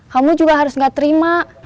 kamu juga harus gak terima